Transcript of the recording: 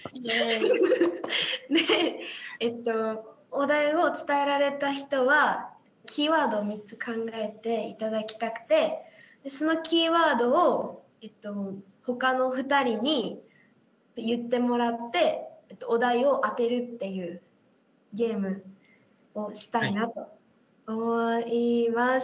でお題を伝えられた人はキーワードを３つ考えていただきたくてそのキーワードをえっとほかの２人に言ってもらってお題を当てるっていうゲームをしたいなと思います。